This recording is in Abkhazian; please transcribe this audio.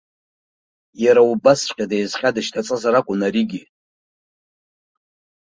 Иара убасҵәҟьа деизҟьа дышьҭаҵазар акәын аригьы!